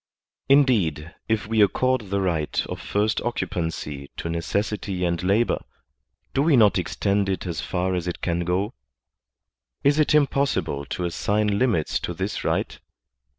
Indeed, if we accord the right of first occupancy to necessity and labor, do we not extend it as far as it can go ? Is it impossible to assign limits to this right